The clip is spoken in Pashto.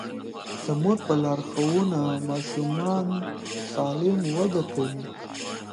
د مور په لارښوونه ماشومان سالم وده کوي.